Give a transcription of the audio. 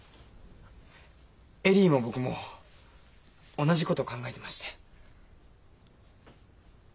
恵里も僕も同じこと考えてまして。